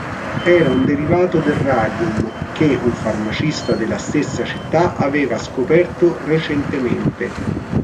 Era un derivato del radium che un farmacista della stessa città aveva scoperto recentemente.